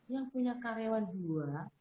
yang punya karyawan di luar